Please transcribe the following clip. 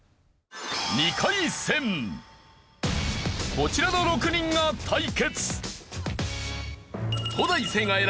こちらの６人が対決！